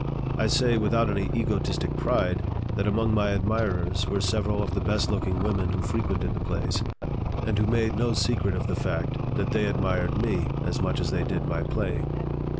I say, without any egotistic pride, that among my admirers were several of the best looking women who frequented the place, and who made no secret of the fact that they admired me as much as they did my playing.